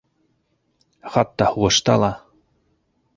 Хатта һуғышта ла...